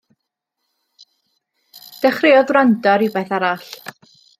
Dechreuodd wrando ar rywbeth arall.